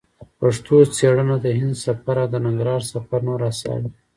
پښتو څېړنه د هند سفر او د ننګرهار سفر نور اثار دي.